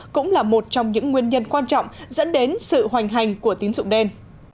cũng là một trong những nguyên nhân quan trọng dẫn đến sự hoành hành của tín dụng đen